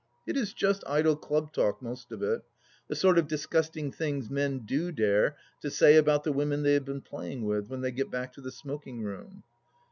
It is just idle club talk, most of it, the sort of disgusting things men do dare to say about the women they have been playing with, when they get back to the smoking room.